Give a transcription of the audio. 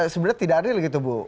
sebenarnya tidak adil gitu bu